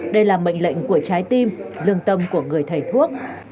đây là mệnh lệnh của trái tim lương tâm của người thầy thuốc